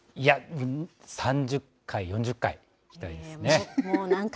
３０回、４０回行きたいですよね。